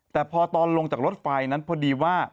แต่พอตอนลงจากรถไฟนั้นพอดีว่า